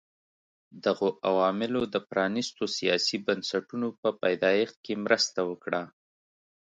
دغو عواملو د پرانیستو سیاسي بنسټونو په پیدایښت کې مرسته وکړه.